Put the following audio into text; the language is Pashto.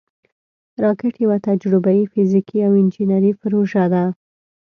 راکټ یوه تجربهاي، فزیکي او انجینري پروژه ده